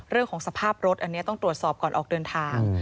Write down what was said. เรื่องของสภาพรถอันนี้ต้องตรวจสอบก่อนออกเดินทาง